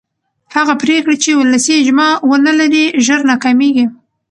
هغه پرېکړې چې ولسي اجماع ونه لري ژر ناکامېږي